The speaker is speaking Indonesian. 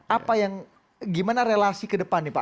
apa yang gimana relasi ke depan nih pak